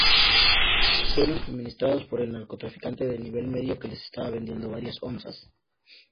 Fueron suministrados por el narcotraficante de nivel medio que les estaba vendiendo varias onzas.